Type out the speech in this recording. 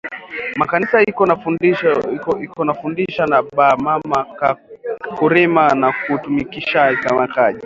Ma kanisa iko na fundisha ba mama ku rima na ku tumikisha ma Kaji